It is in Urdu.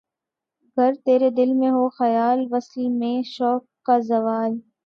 گر تیرے دل میں ہو خیال‘ وصل میں شوق کا زوال؟